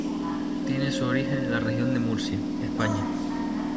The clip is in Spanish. Tiene su origen en la Región de Murcia, España.